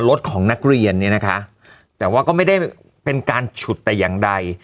รถของนักเรียนเนี่ยนะคะแต่ว่าก็ไม่ได้เป็นการฉุดแต่อย่างใด